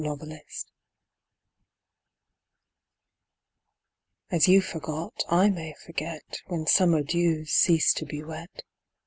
RONDEAU As you forgot I may forget, When summer dews cease to be wet.